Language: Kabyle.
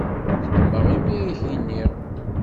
Nedmeɣ imi ay ak-nniɣ.